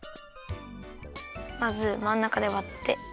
まずまんなかでわって。